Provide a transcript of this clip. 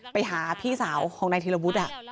ไปหาพี่สาวของนายธีรวุฒิ